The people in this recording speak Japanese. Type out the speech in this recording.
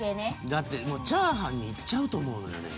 だってもう炒飯にいっちゃうと思うのよね。